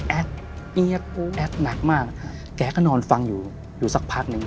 แอ๊กเอี๊อย่าก็นอนฟังอยู่สักพักนึง